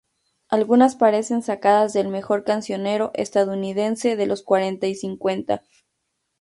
Algunas parecen sacadas del mejor cancionero estadounidense de los cuarenta y cincuenta.